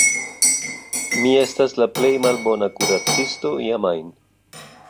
Mi estas la plej malbona kuracisto iam ajn